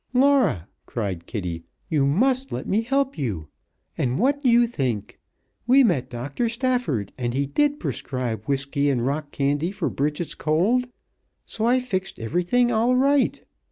"Laura," cried Kitty, "you must let me help you! And what do you think? We met Doctor Stafford, and he did prescribe whisky and rock candy for Bridget's cold! So I fixed everything all right.